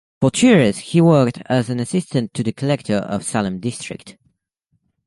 For two years he worked as an assistant to the collector of Salem district.